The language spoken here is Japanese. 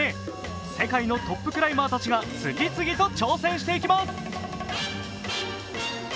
世界のトップクライマーたちが次々と挑戦していきます。